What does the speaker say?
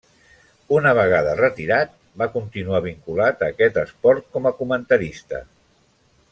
Una vegada retirat va continuar vinculat a aquest esport com a comentarista.